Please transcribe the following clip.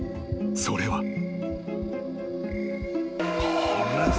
［それは］